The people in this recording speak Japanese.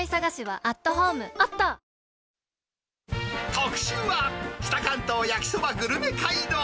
特集は、北関東焼きそばグルメ街道。